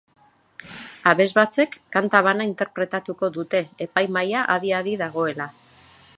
Abesbatzek kanta bana interpretatuko dute, epaimahaia adi-adi dagoela.